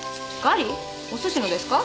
おすしのですか？